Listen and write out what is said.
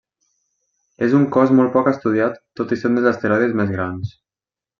És un cos molt poc estudiat tot i ser un dels asteroides més grans.